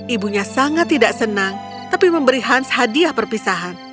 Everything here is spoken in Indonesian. ibunya sangat tidak senang tapi memberi hans hadiah perpisahan